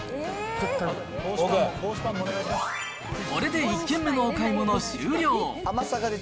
これで１軒目のお買い物、終了。